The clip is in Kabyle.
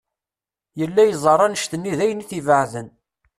Yella yeẓẓar annect-nni d ayen i t-ibeɛden.